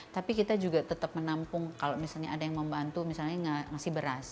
tapi kita juga tetap menampung kalau misalnya ada yang membantu misalnya ngasih beras